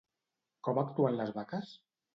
Com actuen les vaques?